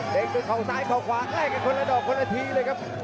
ด้วยเขาซ้ายเขาขวาไล่กันคนละดอกคนละทีเลยครับ